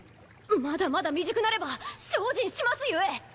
まだまだ未熟なれば精進しますゆえ。